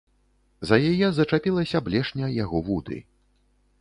За яе зачапілася блешня яго вуды.